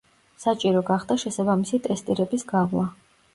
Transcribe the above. საჭირო გახდა შესაბამისი ტესტირების გავლა.